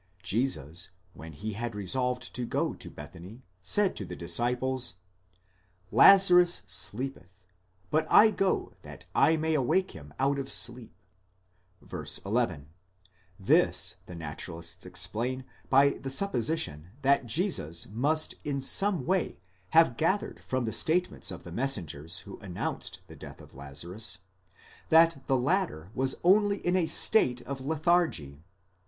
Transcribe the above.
Jesus, when he had resolved to go to Bethany, said to the disciples, Zazarus sleepeth, but I go that 7 may awake him out of sleep (κεκοίμηται ἐξυπνίσω ν. 11); this the naturalists explain by the suppo sition that Jesus must in some way have gathered from the statements of the messengers who announced the death of Lazarus, that the latter was only in a state of lethargy.